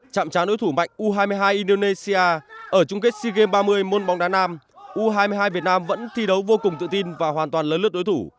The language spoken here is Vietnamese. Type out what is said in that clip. chạm tráng đối thủ mạnh u hai mươi hai indonesia ở chung kết sea games ba mươi môn bóng đá nam u hai mươi hai việt nam vẫn thi đấu vô cùng tự tin và hoàn toàn lớn lướt đối thủ